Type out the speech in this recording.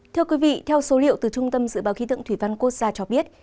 thưa quý vị theo số liệu từ trung tâm dự báo khí tượng thủy văn quốc gia cho biết